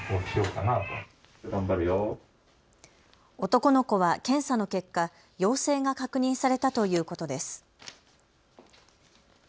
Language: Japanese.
男の子は検査の結果、陽性が確認されたということです。